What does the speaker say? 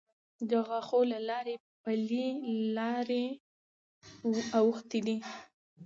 د غاښو له لارې پلې لارې اوښتې دي.